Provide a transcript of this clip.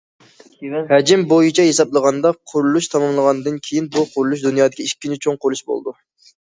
ھەجىم بويىچە ھېسابلىغاندا، قۇرۇلۇش تاماملانغاندىن كېيىن بۇ قۇرۇلۇش دۇنيادىكى ئىككىنچى چوڭ قۇرۇلۇش بولىدۇ.